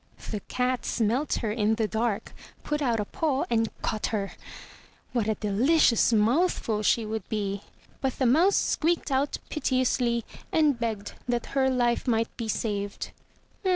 The cat smelt her in the dark, put out a paw and caught her. What a dehcious mouthful she would be! But the mouse squeaked out piteously, and begged that her Ufe might be saved.